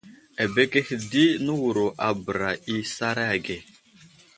Abekehe di newuro a bəra isaray ge .